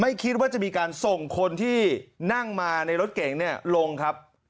คิดว่าจะมีการส่งคนที่นั่งมาในรถเก่งเนี่ยลงครับ